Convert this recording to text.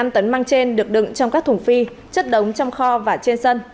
năm tấn măng trên được đựng trong các thùng phi chất đống trong kho và trên sân